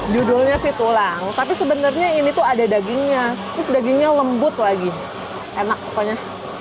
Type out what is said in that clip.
judulnya si tulang tapi sebenarnya ini tuh ada dagingnya terus dagingnya lembut lagi enak pokoknya